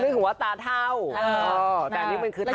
นึกว่าตาเท่าแต่นี่มันคือเท้า